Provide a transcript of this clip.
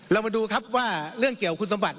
มาดูครับว่าเรื่องเกี่ยวคุณสมบัติ